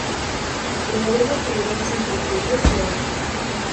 Promover la convivencia entre judíos y árabes.